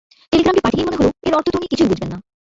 টেলিগ্রামটি পাঠিয়েই মনে হলো, এর অর্থ তো উনি কিছুই বুঝবেন না।